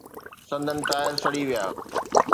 سندن ٽائر سڙي ويا.